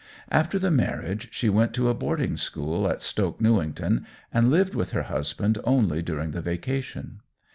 After the marriage she went to a boarding school at Stoke Newington, and lived with her husband only during the vacation.